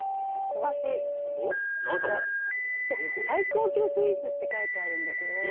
最高級スイーツって書いてあるんだけど。